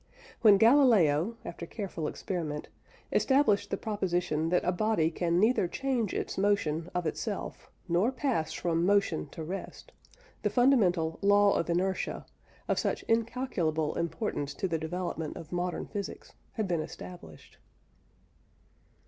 When Galileo, after careful experiment, established the proposition that a body can neither change its motion of itself, nor pass from motion to rest, the fundamental "law of inertia" of such incalculable importance to the development of modern physics had been established.